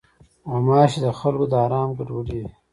غوماشې د خلکو د آرام ګډوډوي.